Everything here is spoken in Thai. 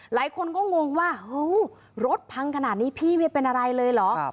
หลายคนก็งงว่ารถพังขนาดนี้พี่ไม่เป็นอะไรเลยเหรอ